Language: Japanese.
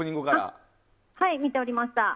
はい、見ておりました。